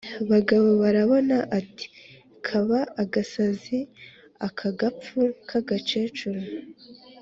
Bagabobarabona ati: "Kaba agasazi aka gapfu k’agakecuru!